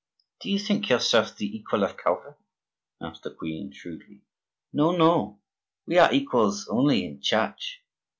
"Do you think yourself the equal of Calvin?" asked the queen, shrewdly. "No, no; we are equals only in church.